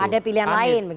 ada pilihan lain